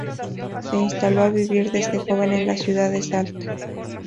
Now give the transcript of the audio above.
Se instaló a vivir desde joven en la Ciudad de Salta.